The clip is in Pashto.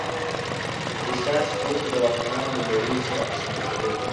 له اسلام څخه وروسته د واکمنانو له لړیو سره اشنا کېدل.